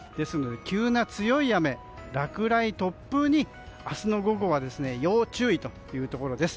急な強い雨、落雷、突風に明日の午後は要注意というところです。